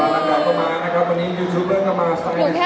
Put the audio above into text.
หนูแค่รู้สึกว่าหนูไม่อยากพูดอะไรแล้ว